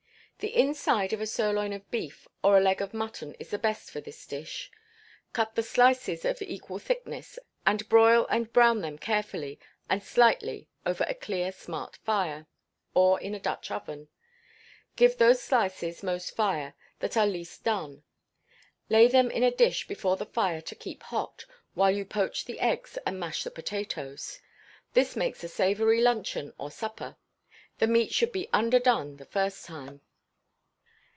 The inside of a sirloin of beef or a leg of mutton is the best for this dish. Cut the slices of equal thickness, and broil and brown them carefully and slightly over a clear smart fire, or in a Dutch oven; give those slices most fire that are least done; lay them in a dish before the fire to keep hot, while you poach the eggs and mash the potatoes. This makes a savoury luncheon or supper. The meat should be underdone the first time.